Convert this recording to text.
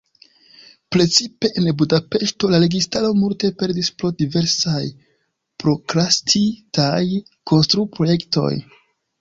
Precipe en Budapeŝto la registaro multe perdis pro diversaj prokrastitaj konstru-projektoj.